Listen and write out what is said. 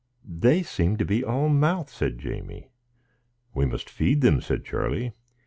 "They seem to be all mouth," said Jamie. "We must feed them," said Charlie.